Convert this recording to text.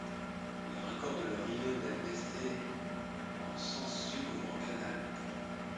Il raccorde le rio delle Veste en sens sud au Grand Canal.